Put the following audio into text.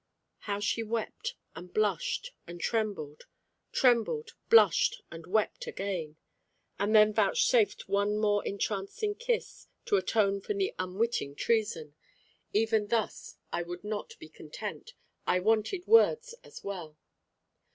How she wept, and blushed, and trembled; trembled, blushed, and wept again; and then vouchsafed one more entrancing kiss, to atone for the unwitting treason. Even thus I would not be content. I wanted words as well.